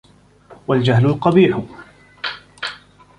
وَالْجَهْلُ الْقَبِيحُ